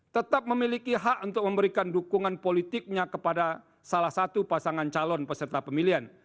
tetap memiliki hak untuk memberikan dukungan politiknya kepada salah satu pasangan calon peserta pemilihan